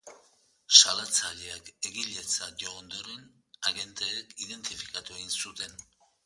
Salatzaileak egiletzat jo ondoren, agenteek identifikatu egin zuten.